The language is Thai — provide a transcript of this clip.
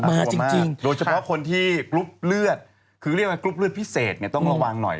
มาจริงโดยเฉพาะคนที่กรุ๊ปเลือดคือเรียกว่ากรุ๊ปเลือดพิเศษเนี่ยต้องระวังหน่อย